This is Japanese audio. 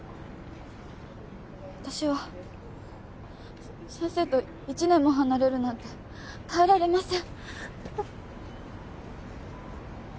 私は先生と１年も離れるなんて耐えられません